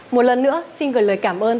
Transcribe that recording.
một lần nữa xin gửi lời cảm ơn